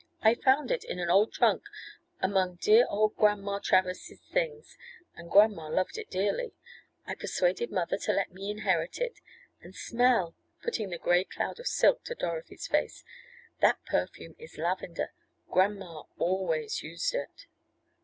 I found it in an old trunk among dear old grandma Travers' things, and grandma loved it dearly. I persuaded mother to let me inherit it, and smell," putting the gray cloud of silk to Dorothy's face, "that perfume is lavender. Grandma always used it."